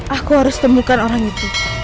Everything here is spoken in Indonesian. aku harus temukan orang itu